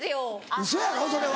ウソやろそれは。